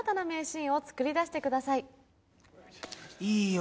いいよ